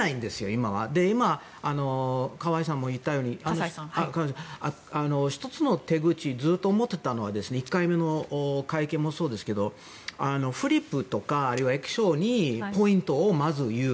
今は、河西さんも言ったように１つ、ずっと思ってたのは１回目の会見でもそうですけどフリップとか液晶にポイントをまず言う。